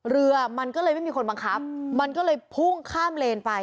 เรือมันก็เลยไม่มีคนบังคับมันก็เลยพุ่งข้ามเลนไป